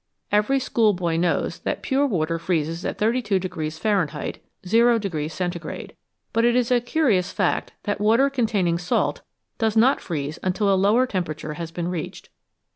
Every schoolboy knows that pure water freezes at 32 Fahrenheit (0 Centigrade), but it is a curious fact that water containing salt does not freeze until a lower tem perature has been reached.